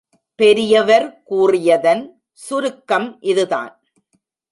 பெரியவர் கூறியதன் சுருக்கம் இதுதான்.